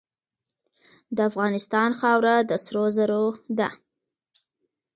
د افغانستان خاوره د سرو زرو ده.